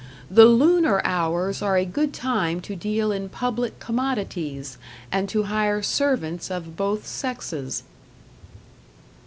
The lunar hours are a good time to deal in public commodities, and to hire servants of both sexes....